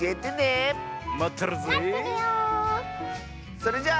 それじゃあ。